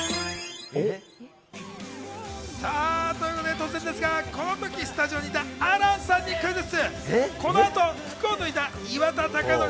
突然ですが、このときスタジオにいた亜嵐さんにクイズッス！